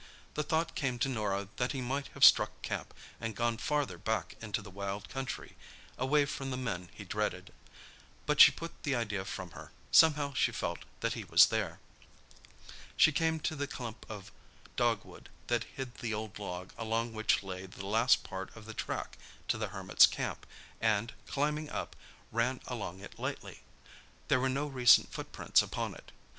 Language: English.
The thought came to Norah that he might have struck camp, and gone farther back into the wild country, away from the men he dreaded. But she put the idea from her. Somehow she felt that he was there. She came to the clump of dogwood that hid the old log along which lay the last part of the track to the Hermit's camp and, climbing up, ran along it lightly. There were no recent footprints upon it.